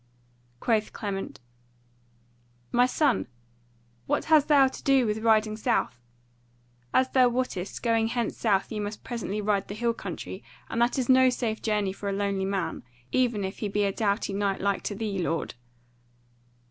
Quoth Clement: "My son, what hast thou to do with riding south? As thou wottest, going hence south ye must presently ride the hill country; and that is no safe journey for a lonely man, even if he be a doughty knight like to thee, lord."